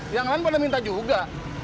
yang lain pada minta juga